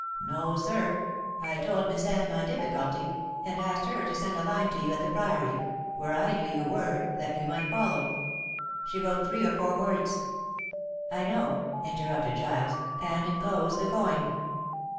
No, sir. I told Miss Anne my difficulty, and asked her to send a line to you at the Priory where I knew you were that you might follow. She wrote three or four words " "I know," interrupted Giles, "and enclosed the coin."